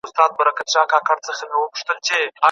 دا دوره د روم د امپراطورۍ له سقوط وروسته پیل سوه.